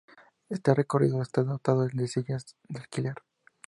Este recorrido está dotado de sillas de alquiler.